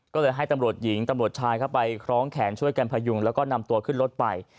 ก็เลยให้ตำรวจหญิงตำรวจชายเข้าไปคล้องแขนช่วยกันพยุงแล้วก็นำตัวขึ้นรถไป